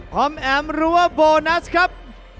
พร้อมแอบรู้ว่าโบนัสครับ